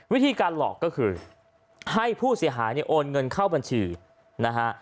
วิธีการหลอกก็คือให้ผู้เสียหายเนี่ยโอนเงินเข้าบัญชีนะฮะ